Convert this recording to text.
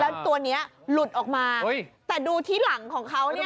แล้วตัวนี้หลุดออกมาแต่ดูที่หลังของเขาเนี่ย